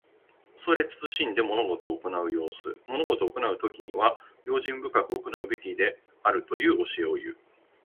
恐れ慎んで物事を行う様子。物事を行うときには、用心深く行うべきであるという教えをいう。